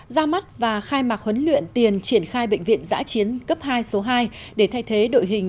ra mắt và khai mạc huấn luyện tiền triển khai bệnh viện giã chiến cấp hai số hai để thay thế đội hình